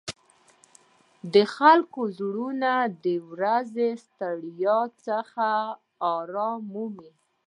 د خلکو زړونه د ورځې له ستړیاوو څخه آرام مومي.